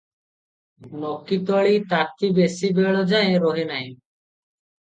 ନକିତଳି ତାତି ବେଶି ବେଳ ଯାଏ ରହେ ନାହିଁ ।